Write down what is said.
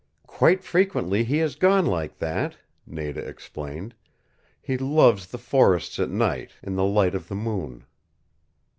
"Quite frequently he has gone like that," Nada explained. "He loves the forests at night in the light of the moon."